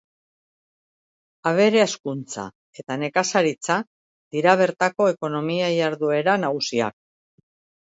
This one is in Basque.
Abere-hazkuntza eta nekazaritza dira bertako ekonomia-jarduera nagusiak.